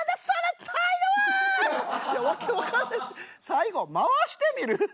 最後回してみる？